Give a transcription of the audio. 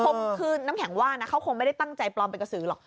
ผมคือน้ำแข็งว่านะเขาคงไม่ได้ตั้งใจปลอมเป็นกระสือหรอก